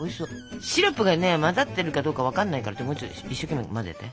シロップがね混ざってるかどうか分かんないからもうちょっと一生懸命混ぜて。